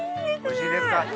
おいしいですか。